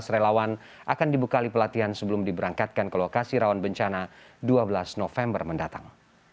dua belas relawan akan dibekali pelatihan sebelum diberangkatkan ke lokasi rawan bencana dua belas november mendatang